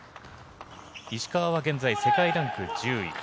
石川は現在、世界ランク１０位。